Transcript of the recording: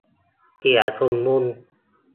เสียสมดุล